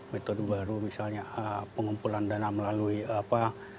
metode baru misalnya pengumpulan dana melalui apa